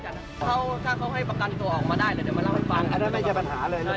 ถ้าเขาให้ประกันตัวออกมาได้เดี๋ยวมาเล่าให้ฟัง